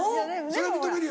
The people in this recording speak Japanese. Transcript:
それは認めるよ。